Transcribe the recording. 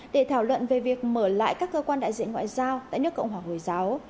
để thảo luận về việc mở lại các cơ quan đại diện ngoại giao tại nước cộng hòa hồi giáo